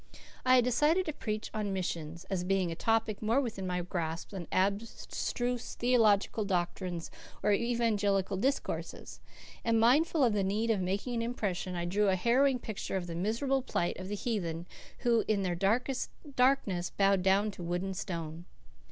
I had decided to preach on missions, as being a topic more within my grasp than abstruse theological doctrines or evangelical discourses; and, mindful of the need of making an impression, I drew a harrowing picture of the miserable plight of the heathen who in their darkness bowed down to wood and stone.